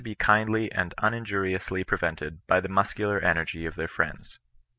3 be kindly and uninjuriously prevented by the muscular energy of their friends.